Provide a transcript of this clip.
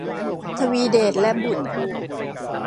ทวีเดชและบุตร